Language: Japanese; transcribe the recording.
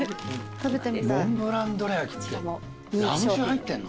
モンブランどら焼ってラム酒入ってんの？